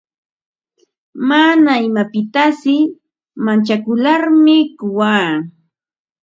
Mana imapitasi manchakularmi kawaa.